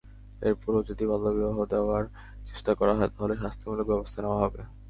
এরপরও যদি বাল্যবিবাহ দেওয়ার চেষ্টা করা হয়, তাহলে শাস্তিমূলক ব্যবস্থা নেওয়া হবে।